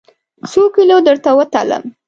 څوکیلو درته وتلم؟